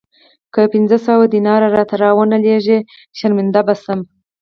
که پنځه سوه دیناره راته را ونه لېږې شرمنده به شم.